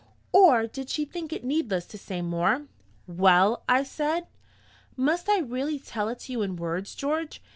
or did she think it needless to say more? "Well?" I said. "Must I really tell it to you in words, George?